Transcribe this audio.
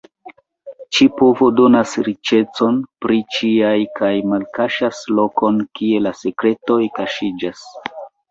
Ĉi-povo donas riĉecon pri ĉiaj kaj malkaŝas lokon kie la sekretoj kaŝiĝas.